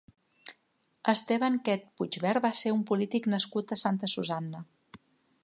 Esteban Quet Puigvert va ser un polític nascut a Santa Susanna.